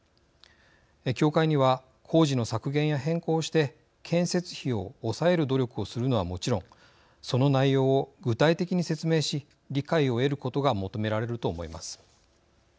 協会には工事の削減や変更をして建設費を抑える努力をするのはもちろんその内容を具体的に説明し理解を得ることが求められると思います。